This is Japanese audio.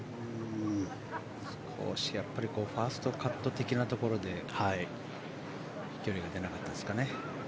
少しファーストカット的なところで飛距離が出なかったですかね。